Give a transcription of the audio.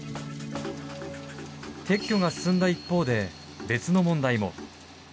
撤去が進んだ一方で別の問題も。